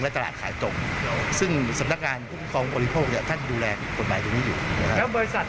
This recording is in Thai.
แล้วยังนี้ต้องยังไงกับคนที่ซื้อไฟ